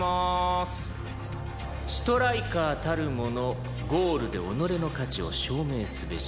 「ストライカーたるものゴールで己の価値を証明すべし」